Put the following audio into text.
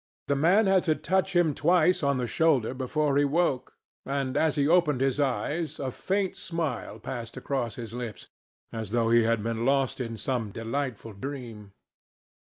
The man had to touch him twice on the shoulder before he woke, and as he opened his eyes a faint smile passed across his lips, as though he had been lost in some delightful dream.